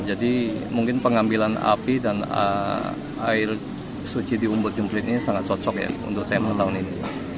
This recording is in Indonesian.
jadi mungkin pengambilan api dan air suci di umbur jumplit ini sangat cocok ya untuk tema tahun ini